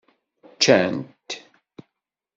Ččan-t?